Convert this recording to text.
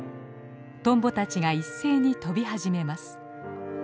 トンボたちが一斉に飛び始めます。